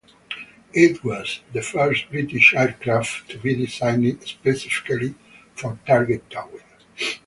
It was the first British aircraft to be designed specifically for target towing.